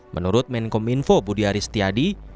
menurut menkom info budi aris tiadi